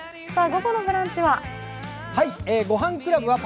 午後の「ブランチ」は？